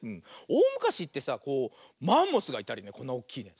おおむかしってさこうマンモスがいたりこんなおっきいね。